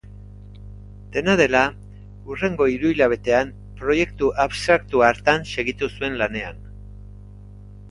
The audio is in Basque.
Dena dela, hurrengo hiruhilabetean proiektu abstraktu hartan segitu zuen lanean.